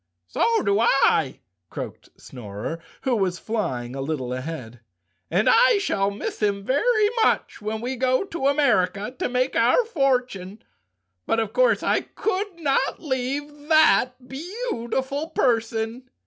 "So do I," croaked the Snorer, who was flying a little ahead, "and I shall miss him very much when we go to America to make our fortune. But, of course I could not leave that beautiful person."